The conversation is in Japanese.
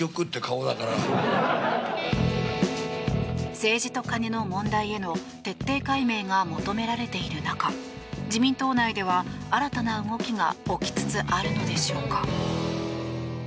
政治と金の問題への徹底解明が求められている中自民党内では新たな動きが起きつつあるのでしょうか。